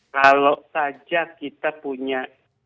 kalau saja kita punya